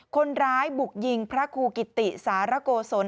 คนร้ายบุกยิงพระครูกิติสารโกศล